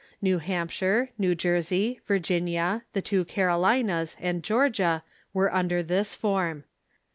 New Hampshire, New Jersey, Virginia, the tAvo Carolinas, and Georgia were under this form.